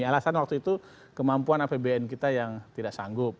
alasan waktu itu kemampuan apbn kita yang tidak sanggup